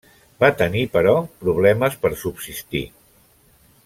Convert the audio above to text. Va tenir, però, problemes per subsistir.